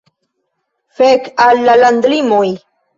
Fek al la landlimoj.